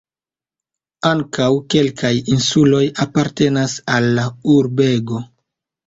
Ankaŭ kelkaj insuloj apartenas al la urbego.